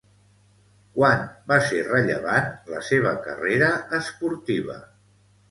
Quan va ser rellevant la seva carrera esportiva?